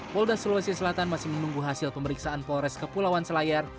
polda sulawesi selatan masih menunggu hasil pemeriksaan polres kepulauan selayar